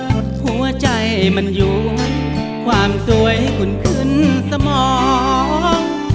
หัวใจมันอยู่ความสวยคุณขึ้นสมอง